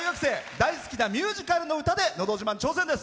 大好きなミュージカルの歌で「のど自慢」挑戦です。